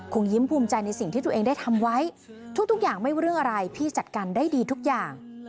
ยิ้มภูมิใจในสิ่งที่ตัวเองได้ทำไว้ทุกอย่างไม่รู้เรื่องอะไรพี่จัดการได้ดีทุกอย่าง